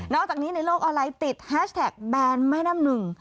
อกจากนี้ในโลกออนไลน์ติดแฮชแท็กแบนแม่น้ำหนึ่ง